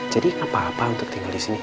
jadi apa apa untuk tinggal disini